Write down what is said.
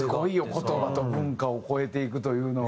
言葉と文化を超えていくというのは。